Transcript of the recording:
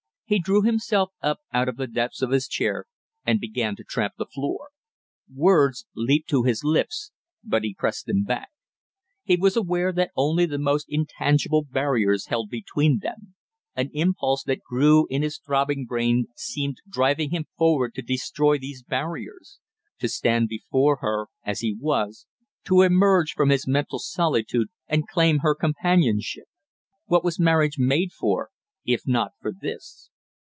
He drew himself up out of the depths of his chair and began to tramp the floor; words leaped to his lips but he pressed them back; he was aware that only the most intangible barriers held between them; an impulse that grew in his throbbing brain seemed driving him forward to destroy these barriers; to stand before her as he was; to emerge from his mental solitude and claim her companionship. What was marriage made for, if not for this?